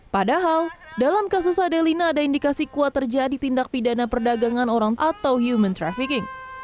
padahal dalam kasus adelina ada indikasi kuat terjadi tindak pidana perdagangan orang atau human trafficking